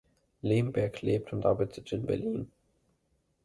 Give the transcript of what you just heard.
Lemberg lebt und arbeitet in Berlin.